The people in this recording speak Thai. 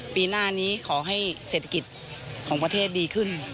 ปีหน้านี้ขอให้เศรษฐกิจของประเทศดีขึ้น